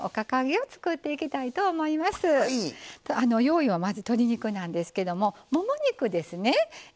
用意はまず鶏肉なんですけどももも肉ですね。